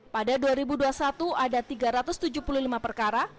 pada dua ribu dua puluh satu ada tiga ratus tujuh puluh lima perkara